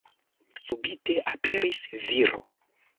Subite aperis viro.